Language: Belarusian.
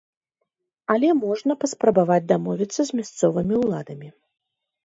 Але можна паспрабаваць дамовіцца з мясцовымі ўладамі.